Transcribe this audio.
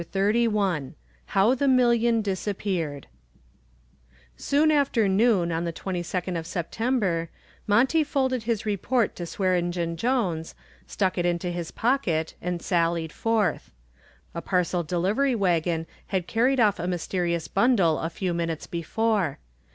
CHAPTER XXXI HOW THE MILLION DISAPPEARED Soon after noon on the 22d of September, Monty folded his report to Swearengen Jones, stuck it into his pocket and sallied forth. A parcel delivery wagon had carried off a mysterious bundle a few minutes before.